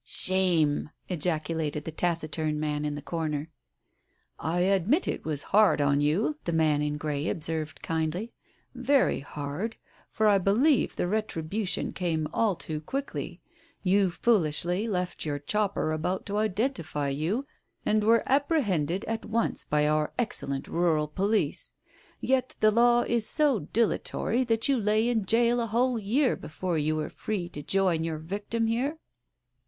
"Shame I " ejaculated the taciturn man in the corner. " I admit it was hard on you," the man in grey observed kindly. "Very hard, for I believe the retribution came all too quickly. You foolishly left your chopper about to identify you, and were apprehended at once by our excellent rural police. Yet the law is so dilatory that you lay in gaol a whole year before you were free to join your victim here